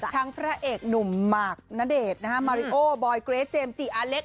พระเอกหนุ่มหมากณเดชน์มาริโอบอยเกรทเจมส์จิอาเล็ก